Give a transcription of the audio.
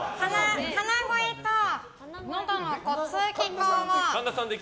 鼻声か、のどの通気口を。